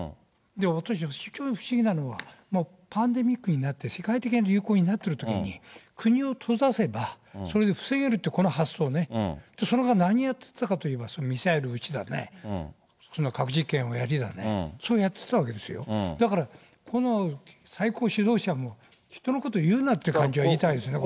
私、すごい不思議なのは、パンデミックになって、世界的な流行になっているときに、国を閉ざせば、それで防げるっていう、この発想ね、その間、何やってたかっていったら、そのミサイル撃ちだね、そんな核実験をやりだね、それをやってたわけですよ、だから、この最高指導者も人のこと言うなって感じは言いたいですね。